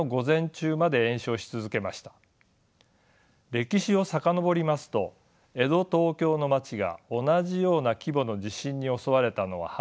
歴史を遡りますと江戸・東京の町が同じような規模の地震に襲われたのは初めてではありません。